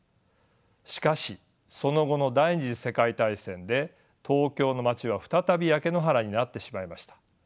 しかしその後の第２次世界大戦で東京の街は再び焼け野原になってしまいました。